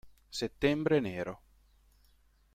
Settembre Nero